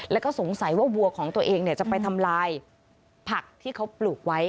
แล้วก็สงสัยว่าวัวของตัวเองจะไปทำลายผักที่เขาปลูกไว้